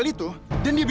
tunggu ada apaan